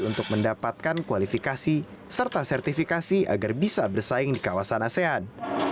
untuk mendapatkan kualifikasi serta sertifikasi agar bisa bersaing di kawasan asean